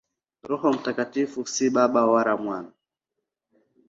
Roho Mtakatifu si Baba wala Mwana.